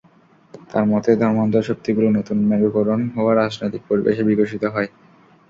তার মতে, ধর্মান্ধ শক্তিগুলো নতুন মেরুকরণ হওয়া রাজনৈতিক পরিবেশে বিকশিত হয়।